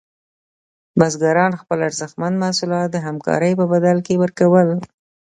بزګران خپل ارزښتمن محصولات د همکارۍ په بدل کې ورکول.